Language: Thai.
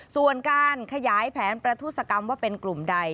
ส่วนการขยายแผนประทุศกรรมว่าเป็นกลุ่มใด